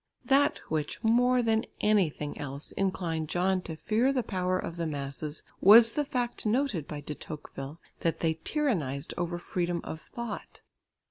That which more than anything else inclined John to fear the power of the masses, was the fact noted by De Tocqueville that they tyrannised over freedom of thought.